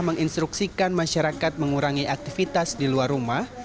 menginstruksikan masyarakat mengurangi aktivitas di luar rumah